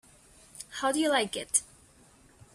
How do you like it?